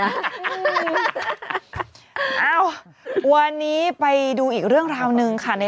เอ้าวันนี้ไปดูอีกเรื่องราวหนึ่งค่ะ